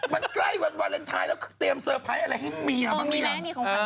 มันใกล้วันวาเลนไทยแล้วเตรียมเตอร์ไพรส์อะไรให้เมียบ้างหรือยัง